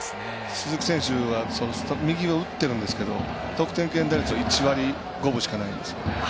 鈴木選手は右を打っているんですけど得点圏打率は１割５分しかないんですよ。